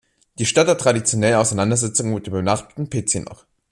Die Stadt hatte traditionell Auseinandersetzungen mit dem benachbarten Pezinok.